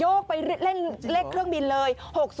โยกไปเลขเครื่องบินเลย๖๐๒